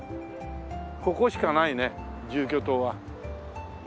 ここしかないね住居棟は。